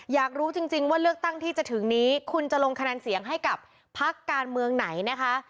อยากรู้จริงว่าเลือกตั้งที่จะถึงนี้คุณจะลงคะแนนเสียงให้กับพักการเมืองไหนนะคะ